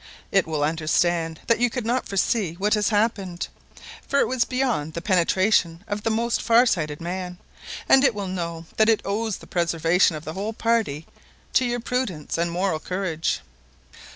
It will understand that you could not foresee what has happened, for it was beyond the penetration of the most far sighted man, and it will know that it owes the preservation of the whole party to your prudence and moral courage."